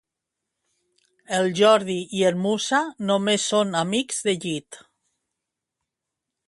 El Jordi i en Musa només són amics de llit